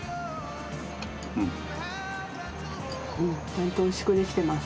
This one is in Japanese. ちゃんと美味しくできてます。